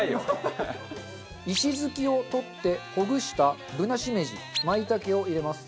石づきを取ってほぐしたぶなしめじ舞茸を入れます。